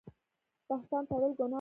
بهتان تړل ګناه ده